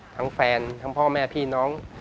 แฟนทั้งพ่อแม่พี่น้อง